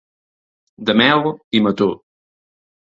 De mel i mató.